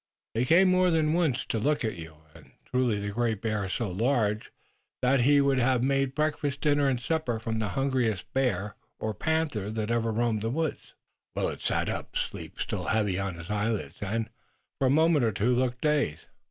They came more than once to look at you, and truly the Great Bear is so large that he would have made breakfast, dinner and supper for the hungriest bear or panther that ever roamed the woods." Willet sat up, sleep still heavy on his eyelids, and, for a moment or two, looked dazed.